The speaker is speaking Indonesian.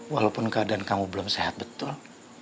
walaupun keadaan kamu belum sehat betul